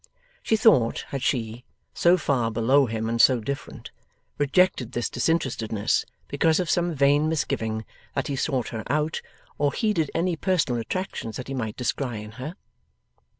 She thought, had she, so far below him and so different, rejected this disinterestedness, because of some vain misgiving that he sought her out, or heeded any personal attractions that he might descry in her?